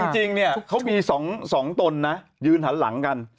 จริงเนี่ยเขามี๒ตนนะยืนหันหลังกัน